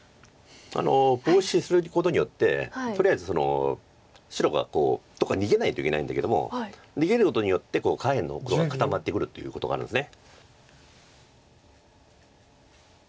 ボウシすることによってとりあえず白がどっか逃げないといけないんだけども逃げることによって下辺の黒が固まってくるということがあるんです。